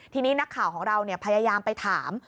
ทีนี้นักข่าวของเราพยายามไปถาม